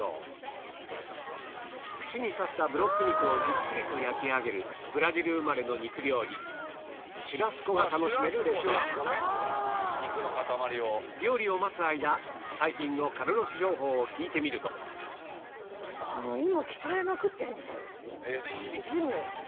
串に刺したブロック肉をじっくりと焼き上げるブラジル生まれの肉料理シュラスコが楽しめるレストラン料理を待つ間カルロスは多分今。